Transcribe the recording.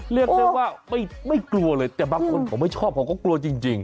เรียกได้ว่าไม่กลัวเลยแต่บางคนเขาไม่ชอบเขาก็กลัวจริง